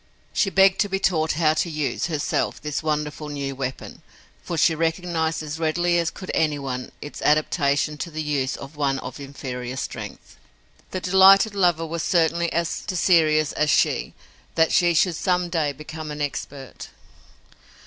She begged to be taught how to use, herself, this wonderful new weapon, for she recognized as readily as could anyone its adaptation to the use of one of inferior strength. The delighted lover was certainly as desirous as she that she should some day become an expert.